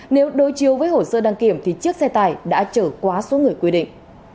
nếu đối chiếu với hồ sơ đăng kiểm thì chiếc xe tải đã trở quá số người quy định